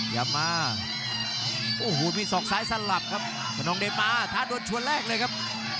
อย่ามาโอ้โหมีศอกซ้ายสลับครับคนนองเดชมาท้าโดนชวนแรกเลยครับ